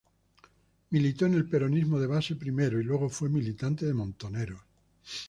Militó en el Peronismo de Base primero y luego fue militante de Montoneros.